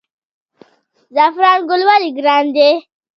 زعفران ګل ولې ګران دی؟